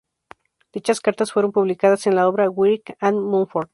Dichas cartas fueron publicadas en la obra "Wright and Mumford.